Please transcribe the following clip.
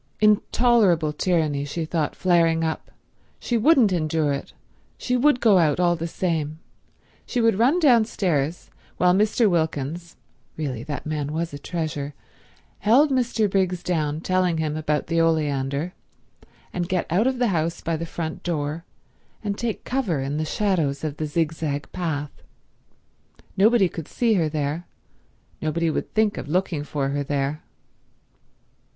Intolerably tyranny, she thought, flaring up. She wouldn't endure it; she would go out all the same; she would run downstairs while Mr. Wilkins—really that man was a treasure—held Mr. Briggs down telling him about the oleander, and get out of the house by the front door, and take cover in the shadows of the zigzag path. Nobody could see her there; nobody would think of looking for her there.